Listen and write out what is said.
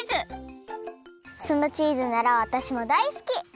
そのチーズならわたしもだいすき！